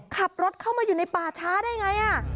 ขับรถเข้ามาอยู่ในป่าช้าได้ไง